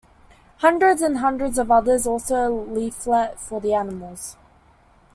Hundreds and hundreds of others also leaflet for the animals.